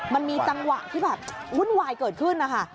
มันมีจังหวะที่แบบวุ่นวายเกิดขึ้นนะคะ